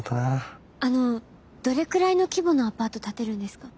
あのどれくらいの規模のアパート建てるんですか？